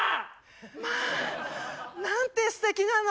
まあなんてすてきなの？